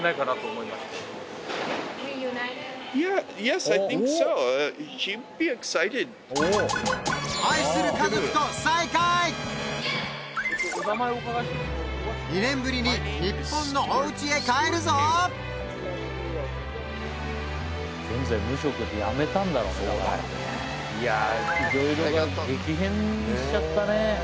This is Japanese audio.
いやいろいろ激変しちゃったね。